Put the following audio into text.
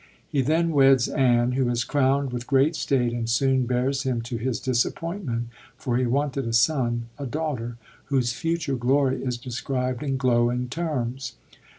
He then weds Anne, who is crownd with great state, and soon bears him — ^to his disappoint ment, for he wanted a son— a daughter, whose future glory is described in glowing terms.